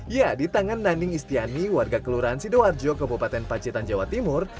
ya di tangan naning istiani warga kelurahan sidoarjo kabupaten pacitan jawa timur